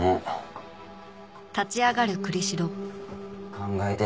「考えて